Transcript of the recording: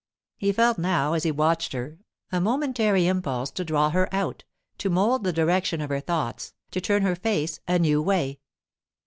He felt now, as he watched her, a momentary impulse to draw her out, to mould the direction of her thoughts, to turn her face a new way.